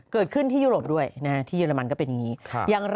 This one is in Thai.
เกิดขึ้นที่ยุโรปด้วยที่เยอรมันก็เป็นอย่างนี้